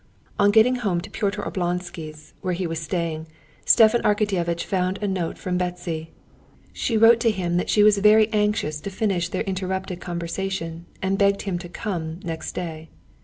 On getting home to Pyotr Oblonsky's, where he was staying, Stepan Arkadyevitch found a note from Betsy. She wrote to him that she was very anxious to finish their interrupted conversation, and begged him to come next day.